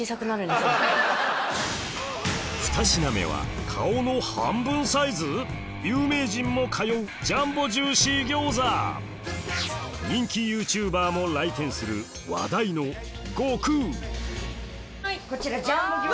２品目は顔の半分サイズ⁉有名人も通うジャンボジューシー餃子人気ＹｏｕＴｕｂｅｒも来店する話題の悟空こちらジャンボ餃子。